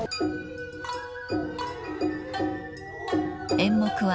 ［演目は］